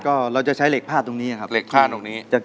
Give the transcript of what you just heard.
ก็เราจะใช้เหล็กผ้าตรงนี้ครับ